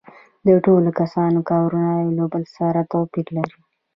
د ټولو کسانو کارونه یو له بل سره توپیر لري